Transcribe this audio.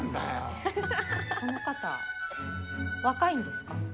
その方、若いんですか？